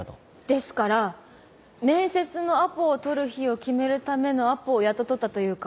ですから面接のアポを取る日を決めるためのアポをやっと取ったというか。